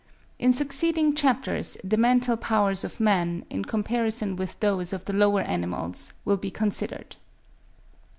In succeeding chapters the mental powers of man, in comparison with those of the lower animals, will be considered.